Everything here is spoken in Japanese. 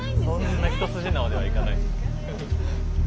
そんな一筋縄ではいかない。